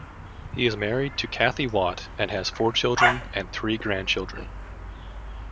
He is married to Cathy Watt, and has four children, and three grandchildren.